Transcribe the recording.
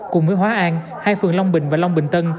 cùng với hóa an hai phường long bình và long bình tân